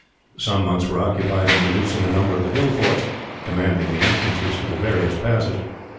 Some months were occupied in reducing a number of the hill forts, commanding the entrances to the various passes.